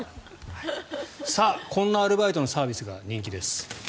こんなアルバイトのサービスが人気です。